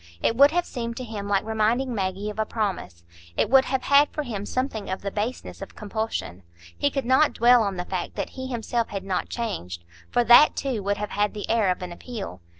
It would have seemed to him like reminding Maggie of a promise; it would have had for him something of the baseness of compulsion. He could not dwell on the fact that he himself had not changed; for that too would have had the air of an appeal.